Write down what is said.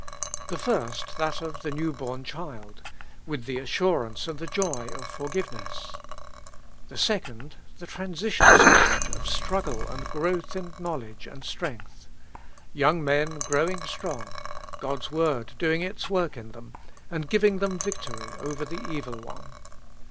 The first, that of the new born child, with the assurance and the joy of forgiveness. The second, the transition stage of struggle and growth in knowledge and strength ; young men growing strong, God's word doing its work in them and giving them victory over the Evil One.